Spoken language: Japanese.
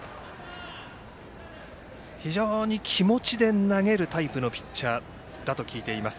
非常に気持ちで投げるタイプのピッチャーだと聞いています。